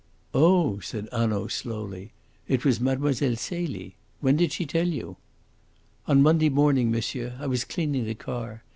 "Oh!" said Hanaud, slowly. "It was Mlle. Celie. When did she tell you?" "On Monday morning, monsieur. I was cleaning the car.